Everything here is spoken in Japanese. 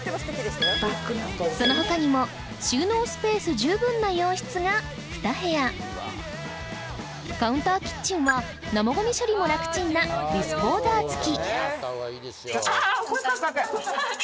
そのほかにも収納スペース十分な洋室が２部屋カウンターキッチンは生ゴミ処理も楽チンなディスポーザー付き